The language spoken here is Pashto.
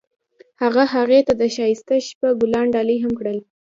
هغه هغې ته د ښایسته شپه ګلان ډالۍ هم کړل.